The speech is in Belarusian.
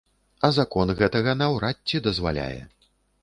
А закон гэтага наўрад ці дазваляе.